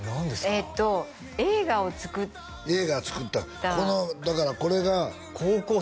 えっと映画を作った映画を作ったこのだからこれが高校生の時ですか？